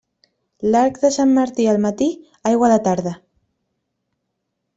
L'arc de Sant Martí al matí, aigua a la tarda.